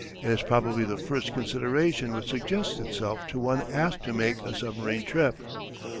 It is probably the first consideration which suggests itself to one asked to make a submarine trip.